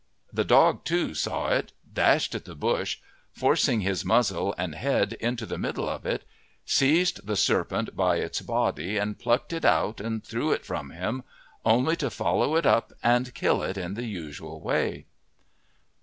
The dog, too, saw it, dashed at the bush, forcing his muzzle and head into the middle of it, seized the serpent by its body and plucked it out and threw it from him, only to follow it up and kill it in the usual way.